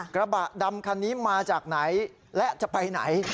กระบะดำคันนี้มาจากไหนและจะไปไหน